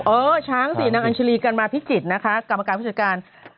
เออช้างสินางอัญชรีกันมาพิจิตรนะคะกรรมการผู้จัดการ